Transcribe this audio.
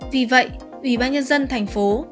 vì vậy ủy ban nhân dân thành phố